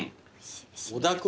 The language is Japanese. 小田君